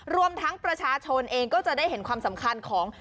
รวมทั้งประชาชนเองก็จะได้เห็นความสำคัญของ